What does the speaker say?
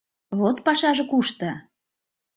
Вот пашаже кушто!